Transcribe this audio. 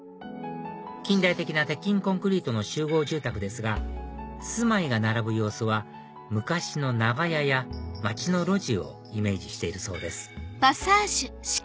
近代的な鉄筋コンクリートの集合住宅ですが住まいが並ぶ様子は昔の長屋や街の路地をイメージしているそうです